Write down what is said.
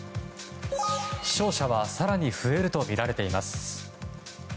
死傷者は更に増えるとみられています。